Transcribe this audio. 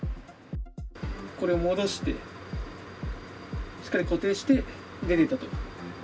これ、戻して、しっかり固定して、出ていったと。